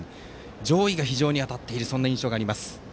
上位が非常に当たっているという印象があります。